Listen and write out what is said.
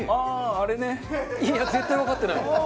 いや絶対わかってない！